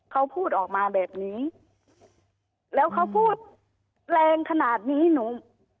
เขาพูดออกมาแบบนี้แล้วเขาพูดแรงขนาดนี้หนู